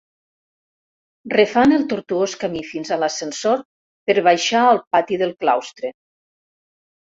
Refan el tortuós camí fins a l'ascensor per baixar al pati del claustre.